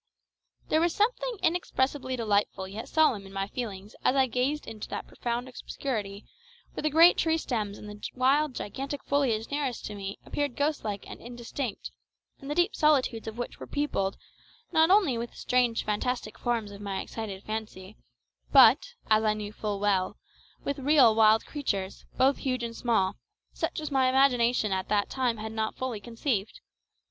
There was something inexpressibly delightful yet solemn in my feelings as I gazed into that profound obscurity where the great tree stems and the wild gigantic foliage nearest to me appeared ghost like and indistinct, and the deep solitudes of which were peopled, not only with the strange fantastic forms of my excited fancy, but, as I knew full well, with real wild creatures, both huge and small, such as my imagination at that time had not fully conceived.